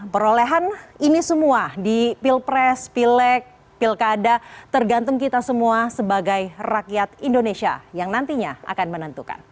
perolehan ini semua di pilpres pileg pilkada tergantung kita semua sebagai rakyat indonesia yang nantinya akan menentukan